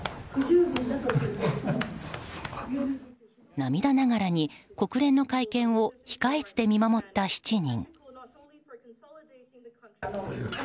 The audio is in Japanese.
涙ながらに国連の会見を控室で見守った７人。